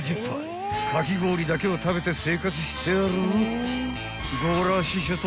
［かき氷だけを食べて生活してる？］